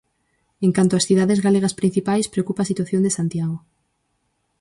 En canto ás cidades galegas principais, preocupa a situación de Santiago.